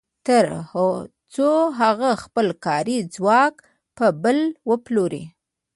تر څو هغه خپل کاري ځواک په بل وپلوري